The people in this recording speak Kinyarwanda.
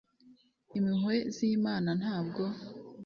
impuhwe z'imana ntabwo